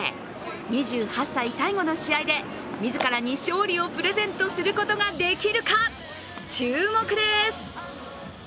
２８歳最後の試合で自らに勝利をプレゼントすることができるか注目です。